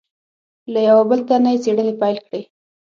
له یوه بل تن نه یې څېړنې پیل کړې.